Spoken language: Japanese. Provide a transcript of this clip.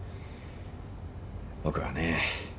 僕はね